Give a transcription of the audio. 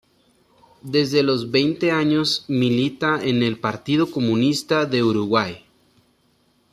Desde los veinte años milita en el Partido Comunista de Uruguay.